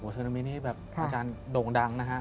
เซียนามิาธิ์นี้เขาโด่งดัง